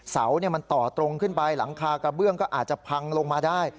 เสามันต่อตรงขึ้นไปหลังคากระเบื้องก็อาจจะพังลงมาได้